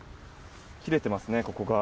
切れていますね。